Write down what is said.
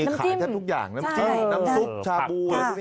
แค่ทุกอย่างน้ำจิ้มน้ำซุปชาบู